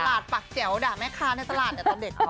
ปะหลาดปักแจ๋าด่าแม่ข้าในตลาดเนี่ยตอนเด็จ